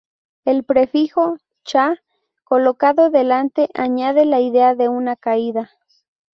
El prefijo "cha", colocado delante, añade la idea de una caída.